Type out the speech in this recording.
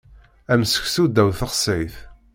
Am seksu ddaw texsayt.